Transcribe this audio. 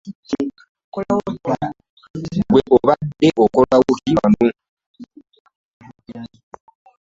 Ggwe obadde okolawo ki wano?